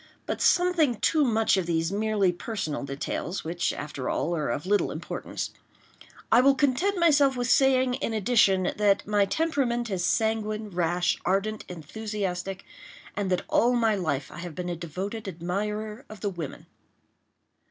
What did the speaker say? But something too much of these merely personal details, which, after all, are of little importance. I will content myself with saying, in addition, that my temperament is sanguine, rash, ardent, enthusiastic—and that all my life I have been a devoted admirer of the women.